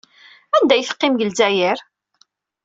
Anda ay teqqim deg Lezzayer?